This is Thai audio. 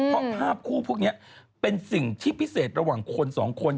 เพราะภาพคู่พวกนี้เป็นสิ่งที่พิเศษระหว่างคนสองคน